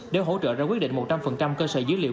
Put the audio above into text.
để hỗ trợ ra quyết định một trăm linh cơ sở dữ liệu